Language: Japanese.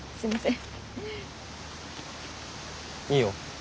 いいよ。